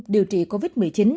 điều trị covid một mươi chín